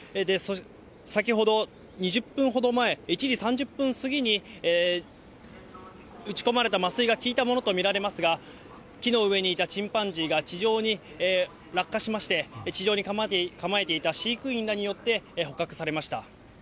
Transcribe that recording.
先ほど、２０分ほど前、１時３０分過ぎに、撃ち込まれた麻酔が効いたものと見られますが、木の上にいたチンパンジーが地上に落下しまして、地上に構えていた飼育員らによって捕獲されました。